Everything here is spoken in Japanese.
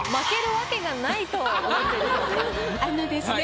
あのですね。